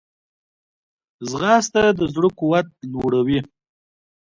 ځغاسته د زړه قوت لوړوي